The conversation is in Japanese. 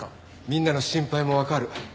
みんなの心配もわかる。